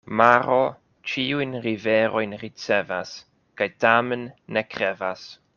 Maro ĉiujn riverojn ricevas kaj tamen ne krevas.